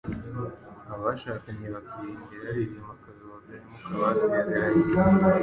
abashakanye bakirinda irari bimakaza ubudahemuka basezeranye,